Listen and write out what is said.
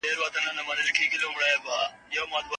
سړه هوا د انسان په خوی بدلون راولي.